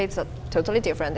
dan itu sangat berbeda